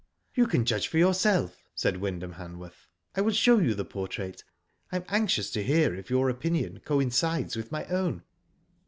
"You can judge for yourself," said Wyndham Hanworth. " I will show you the portrait. I am anxious to hear if your opinion coincides with my own."